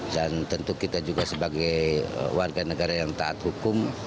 dan tentu kita juga sebagai warga negara yang taat hukum